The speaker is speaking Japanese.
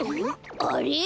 あれ？